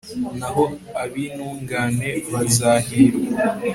naho ab'intungane bazahirwa